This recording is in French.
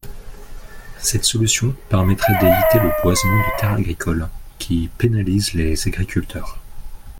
Cette solution permettrait d’éviter le boisement de terres agricoles, qui pénalise les agriculteurs.